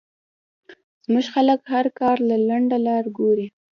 زمونږ خلک هر کار له لنډه لار ګوري